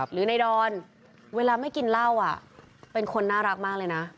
หรือในดอนเวลาไม่กินเหล้าเป็นคนน่ารักมากเลยนะ